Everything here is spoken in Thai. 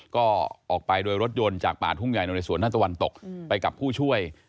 ก็ออกไปโดยรถยนต์จากป่าทุ่งใหญ่โนเรสวนด้านตะวันตกไปกับผู้ช่วย